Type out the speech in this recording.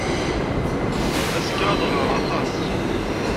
Azekka ad ɣreɣ aṭas.